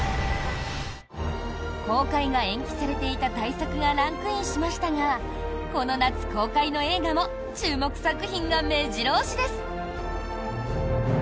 公開が延期されていた大作がランクインしましたがこの夏公開の映画も注目作品が目白押しです。